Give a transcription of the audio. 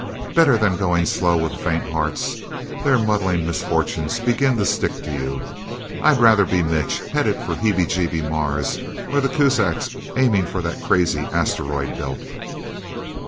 Better than going slow, with the faint hearts. Their muddling misfortunes begin to stick to you. I'd rather be Mitch, headed for heebie jeebie Mars, or the Kuzaks, aiming for the crazy Asteroid Belt."